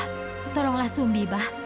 abah tolonglah sumbi abah